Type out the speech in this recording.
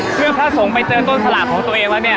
เพื่อพระสงสัมไปเจอต้นสลักของตัวเองว่าเนี่ย